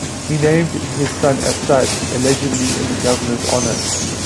He named his son Asad, allegedly in the governor's honor.